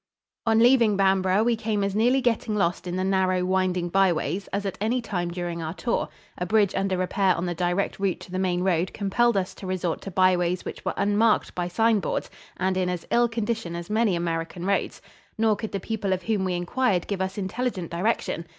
On leaving Bamborough we came as nearly getting lost in the narrow, winding byways as at any time during our tour. A bridge under repair on the direct route to the main road compelled us to resort to byways which were unmarked by signboards and in as ill condition as many American roads. Nor could the people of whom we inquired give us intelligent direction.